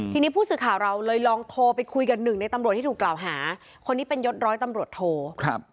ทีนี้ผู้สื่อข่าวเราเลยลองโทรไปคุยกับหนึ่งในตำรวจที่ถูกกล่าวหาคนนี้เป็นยศร้อยตำรวจโทครับ